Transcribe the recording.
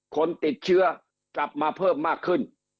คนติดเชื้อกลับมาเพิ่มมากขึ้น